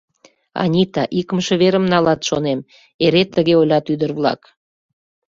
— Анита, икымше верым налат, шонем, — эре тыге ойлат ӱдыр-влак.